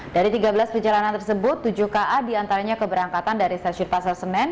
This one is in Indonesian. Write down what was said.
dari tiga belas perjalanan tersebut tujuh ka diantaranya keberangkatan dari stasiun pasar senen